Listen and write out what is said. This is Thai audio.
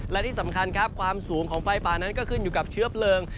และที่สำคัญครับความสูงของไฟป่านั้นก็ขึ้นอยู่กับเชื้อเพลิง